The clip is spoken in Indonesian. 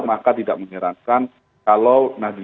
maka tidak mengherankan kalau nadie